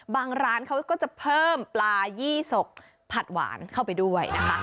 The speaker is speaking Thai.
บางร้านเขาก็จะเพิ่มปลายี่สกผัดหวานเข้าไปด้วยนะคะ